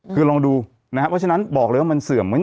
คือลองดูนะครับว่าฉะนั้นบอกเลยว่ามันเสื่อม